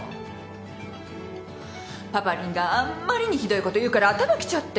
パパリンがあんまりにひどいこと言うから頭きちゃって。